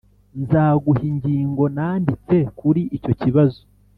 nzaguha ingingo nanditse kuri icyo kibazo